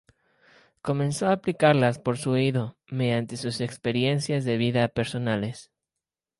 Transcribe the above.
Comenzó aplicarlas por su oído, mediante sus experiencias de vida personales.